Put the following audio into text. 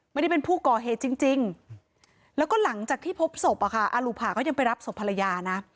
ไม่ได้เป็นผู้ก่อเหตุจริงแล้วก็หลังจากที่พบศพอลูภาก็ยังไปรับศพภรรยานะ